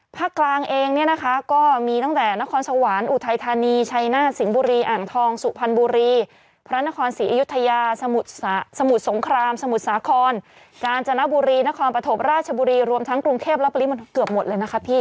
กลางเองเนี่ยนะคะก็มีตั้งแต่นครสวรรค์อุทัยธานีชัยนาศสิงห์บุรีอ่างทองสุพรรณบุรีพระนครศรีอยุธยาสมุทรสงครามสมุทรสาครกาญจนบุรีนครปฐมราชบุรีรวมทั้งกรุงเทพและปริมณฑเกือบหมดเลยนะคะพี่